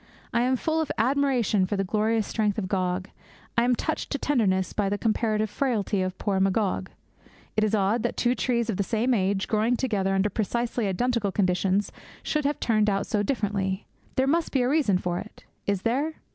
I am full of admiration for the glorious strength of Gog; I am touched to tenderness by the comparative frailty of poor Magog. It is odd that two trees of the same age, growing together under precisely identical conditions, should have turned out so differently. There must be a reason for it. Is there?